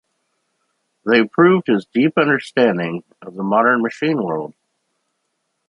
They proved his deep understanding of the modern machine world.